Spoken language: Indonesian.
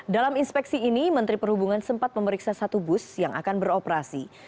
dalam inspeksi ini menteri perhubungan sempat memeriksa satu bus yang akan beroperasi